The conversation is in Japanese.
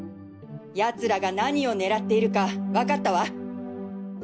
奴らが何を狙っているかわかったわ！